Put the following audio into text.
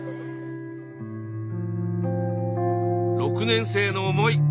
６年生の思い